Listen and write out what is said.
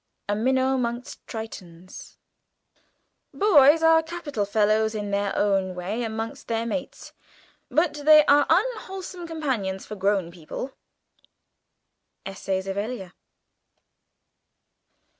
A Minnow amongst Tritons "Boys are capital fellows in their own way among their mates; but they are unwholesome companions for grown people." _Essays of Elia.